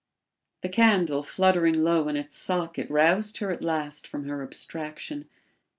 The candle fluttering low in its socket roused her at last from her abstraction.